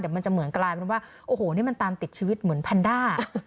มันจะเหมือนกลายเป็นว่าโอ้โหนี่มันตามติดชีวิตเหมือนแพนด้า